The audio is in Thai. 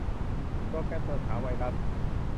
โปรแกรมตรวจหาไวรัส